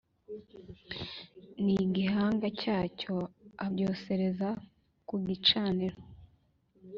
N igihanga cyacyo abyosereza ku gicaniro